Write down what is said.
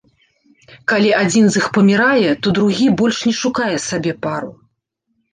Калі адзін з іх памірае, то другі больш не шукае сабе пару.